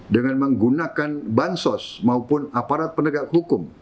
dengan menggunakan bansos maupun aparat penegak hukum